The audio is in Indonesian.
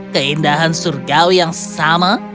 keindahan surgau yang sama